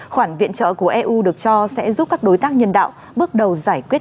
khoản viện trợ của eu được cho sẽ giúp các đối tác nhân đạo bước đầu giải quyết